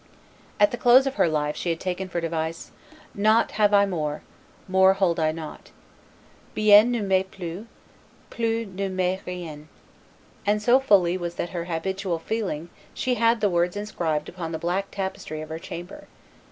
At the close of her life she had taken for device, "Nought have I more; more hold I nought" (Bien ne m 'est plus; plus ne m 'est rien); and so fully was that her habitual feeling that she had the words inscribed upon the black tapestry of her chamber.